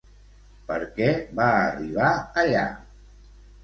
Per què va arribar allà?